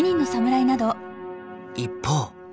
一方。